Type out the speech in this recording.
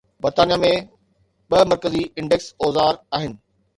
برطانيه ۾ ٻه مرڪزي انڊيڪس اوزار آهن